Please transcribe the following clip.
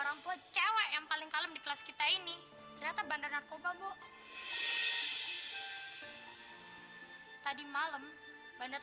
sampai jumpa di video selanjutnya